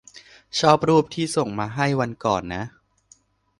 ชอบรูปที่ส่งมาให้วันก่อนนะ